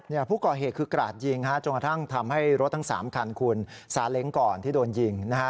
เนี่ยผู้ก่อเหตุคือกราดยิงจนกระทั้งทำให้รถทั้ง๓ขันคุณซารังก่อนที่โดนยิงนะคะ